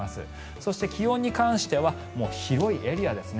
そして、気温に関しては広いエリアですね。